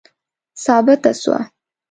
ثابته سوه.